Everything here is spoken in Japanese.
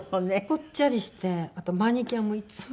ぽっちゃりしてあとマニキュアもいつもキレイに。